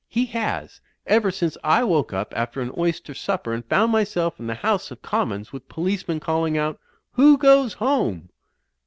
He has, ever since. I woke^up after an oyster supper and found myself in the House of Commons with policemen calling out, Who goes home?'"